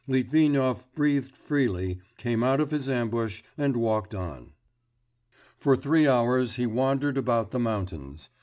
Litvinov breathed freely, came out of his ambush, and walked on. For three hours he wandered about the mountains.